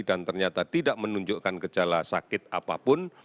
dan ternyata tidak menunjukkan kejala sakit apapun